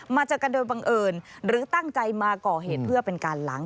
มาเจอกันโดยบังเอิญหรือตั้งใจมาก่อเหตุเพื่อเป็นการหลัง